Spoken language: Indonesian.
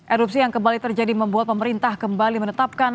erupsi yang kembali terjadi membuat pemerintah kembali menetapkan